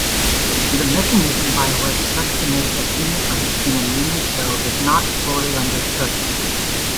The mechanism by which succinate accumulates in immune cells is not fully understood.